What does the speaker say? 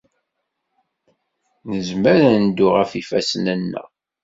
Nezmer ad neddu ɣef yifassen-nneɣ.